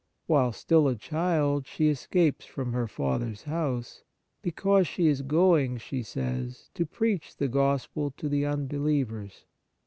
While still a child, she escapes from her father's house, because she is going, she says, to preach the Gospel to the unbelievers.